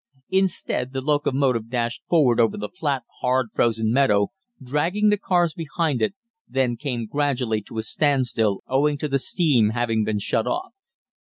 Instead, the locomotive dashed forward over the flat, hard frozen meadow, dragging the cars behind it, then came gradually to a standstill owing to the steam having been shut off.